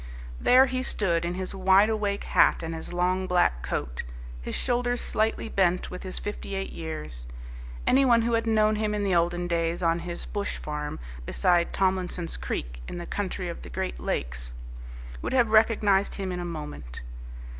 There he stood in his wide awake hat and his long black coat, his shoulders slightly bent with his fifty eight years. Anyone who had known him in the olden days on his bush farm beside Tomlinson's Creek in the country of the Great Lakes would have recognized him in a moment.